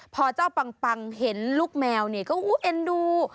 พอเจ้าปังเห็นลูกแมวเนี่ยก็เอ็นดู